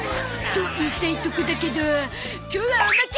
と言いたいとこだけど今日はおまけ！